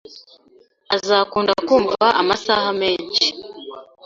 Azakunda kumva amasaha menshi.